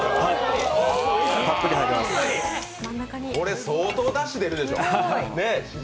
これ、相当だし出るでしょう。